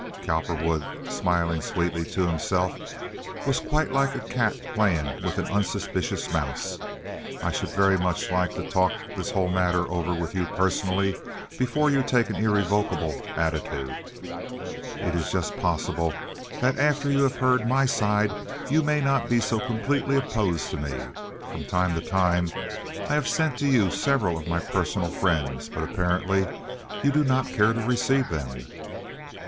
(Cowperwood, smiling sweetly to himself, was quite like a cat playing with an unsuspicious mouse.) "I should like very much to talk this whole matter over with you personally before you take an irrevocable attitude. It is just possible that after you have heard my side you may not be so completely opposed to me. From time to time I have sent to you several of my personal friends, but apparently you do not care to receive them."